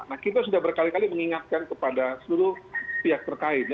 nah kita sudah berkali kali mengingatkan kepada seluruh pihak terkait